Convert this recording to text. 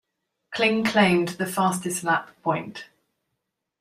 Kling claimed the fastest lap point.